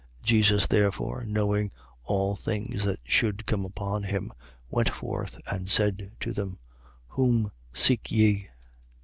18:4. Jesus therefore, knowing all things that should come upon him, went forth and said to them: Whom seek ye?